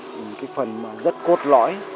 một cái phần rất cốt lõi